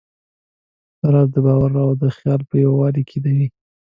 دا راز د باور او خیال په یووالي کې دی.